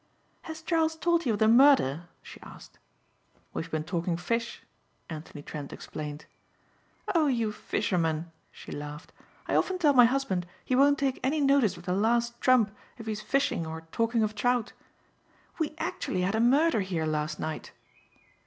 "Has Charles told you of the murder?" she asked. "We've been talking fish," Anthony Trent explained. "Oh you fishermen!" she laughed. "I often tell my husband he won't take any notice of the Last Trump if he's fishing or talking of trout. We actually had a murder here last night."